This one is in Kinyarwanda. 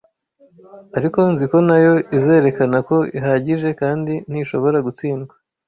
Ariko nzi ko nayo izerekana ko ihagije, kandi ntishobora gutsindwa.